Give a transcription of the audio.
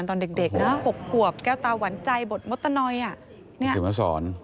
อินตอนเด็กนะ๖ขวบแก้วตาหวันใจบทมธนอยด์